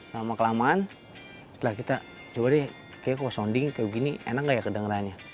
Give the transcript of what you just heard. lama kelamaan setelah kita coba deh kayaknya kalau sounding kayak gini enak gak ya kedengerannya